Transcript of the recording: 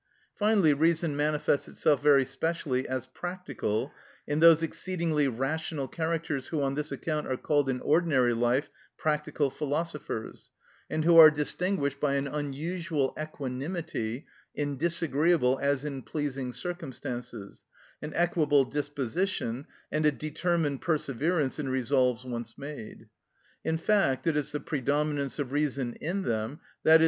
Finally, reason manifests itself very specially as practical in those exceedingly rational characters who on this account are called in ordinary life practical philosophers, and who are distinguished by an unusual equanimity in disagreeable as in pleasing circumstances, an equable disposition, and a determined perseverance in resolves once made. In fact, it is the predominance of reason in them, _i.e.